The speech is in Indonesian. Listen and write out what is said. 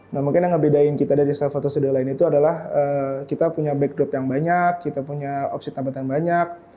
nah mungkin yang ngebedain kita dari self photo studio lain itu adalah kita punya backdrop yang banyak kita punya opsi tambahan banyak